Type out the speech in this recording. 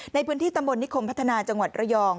ในพื้นที่ตำบลนิคมพัฒนาจังหวัดระยอง